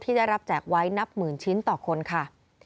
ได้รับแจกไว้นับหมื่นชิ้นต่อคนค่ะ